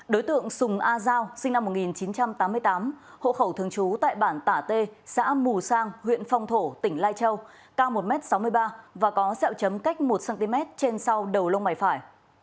đối tượng sùng a giao sinh năm một nghìn chín trăm tám mươi tám hộ khẩu thường trú tại bản tả t xã mù sang huyện phong thổ tỉnh lai châu cao một m sáu mươi ba và có sẹo chấm cách một cm trên sau đầu lông mày phải